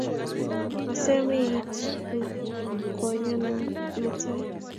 Asome iitu konyon mutai